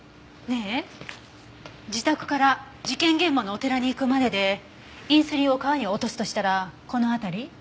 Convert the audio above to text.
ねえ自宅から事件現場のお寺に行くまででインスリンを川に落とすとしたらこの辺り？